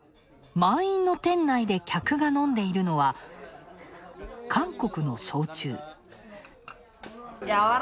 満員の店内で客が飲んでいるのは韓国の焼酎。